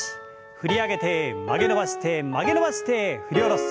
振り上げて曲げ伸ばして曲げ伸ばして振り下ろす。